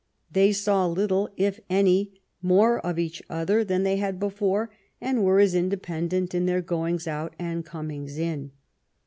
They saw little, if any, more of each other than they had before, and were as independent in their goings out and comings in.